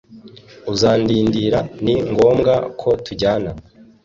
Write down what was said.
uzandindira ni ngombwa ko tujyana